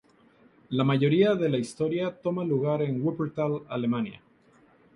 La mayoría de la historia toma lugar en Wuppertal, Alemania.